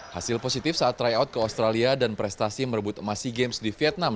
hasil positif saat tryout ke australia dan prestasi merebut emas sea games di vietnam